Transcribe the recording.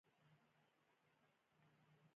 ناپوهي د وېرې سرچینه ده.